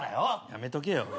やめとけよ。